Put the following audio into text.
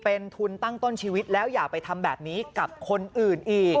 เป็นทุนตั้งต้นชีวิตแล้วอย่าไปทำแบบนี้กับคนอื่นอีก